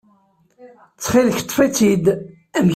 Ttxil-k, ṭṭef-itt-id.